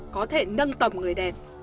có thể nâng tầm người đẹp